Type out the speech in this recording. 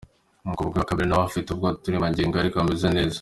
Umukobwa we wa kabiri nawe afite utwo turemangingo ariko ameze neza.